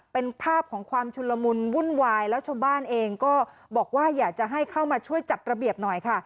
เป็นภาพของความชุนละมุนวุ่นวายแล้วชาวบ้านเองก็บอกว่าอยากจะให้เข้ามาช่วยจัดระเบียบหน่อยค่ะ